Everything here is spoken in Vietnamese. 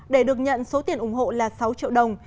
để được nhận số tiền ủng hộ là sáu triệu đồng